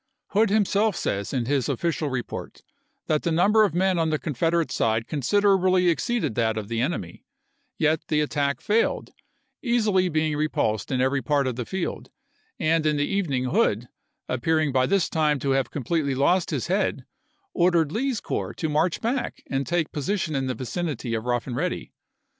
Hood himself says in his of ficial report that the number of men on the Confed erate side considerably exceeded that of the enemy ; yet the attack failed, being easily repulsed in every part of the field ; and in the evening Hood, appear ing by this time to have completely lost his head, Hood, ordered Lee's corps to march back and take posi "Adan<Te tion in the vicinity of Rough and Ready.